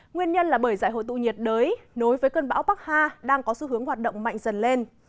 nguyên nhân là bởi giải hội tụ nhiệt đới nối với cơn bão bắc ha đang có xu hướng hoạt động mạnh dần lên